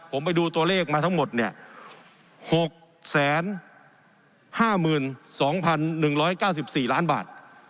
ผมไปดูตัวเลขมาทั้งหมดเนี้ยหกแสนห้ามืนสองพันหนึ่งร้อยเก้าสิบสี่ล้านบาท